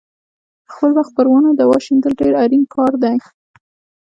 په خپل وخت پر ونو دوا شیندل ډېر اړین کار دی.